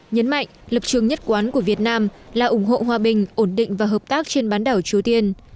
nhấn mạnh lập trường nhất quán của việt nam là ủng hộ hòa bình ổn định và hợp tác trên bán đảo triều tiên